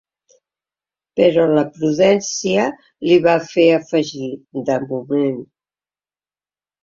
Però la prudència li fa afegir, “de moment”.